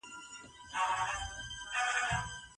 علم د ښځو لپاره ځواک او فرصت دی.